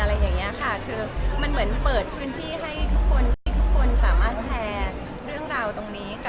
อะไรอย่างนี้ค่ะคือมันเหมือนเปิดพื้นที่ให้ทุกคนที่ทุกคนสามารถแชร์เรื่องราวตรงนี้